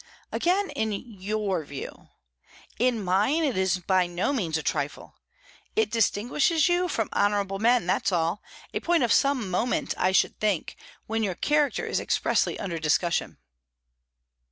"Again, in your view. In mine it is by no means a trifle. It distinguishes you from honourable men, that's all; a point of some moment, I should think, when your character is expressly under discussion."